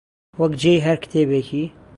وەک جێی هەر کتێبێکی